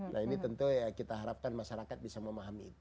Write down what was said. nah ini tentu kita harapkan masyarakat bisa memahami itu